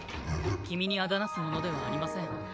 君に仇なす者ではありません。